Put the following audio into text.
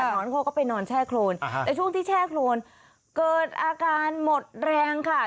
นอนเขาก็ไปนอนแช่โครนแต่ช่วงที่แช่โครนเกิดอาการหมดแรงค่ะ